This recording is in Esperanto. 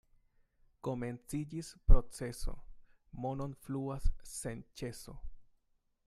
Komenciĝis proceso, mono fluas sen ĉeso.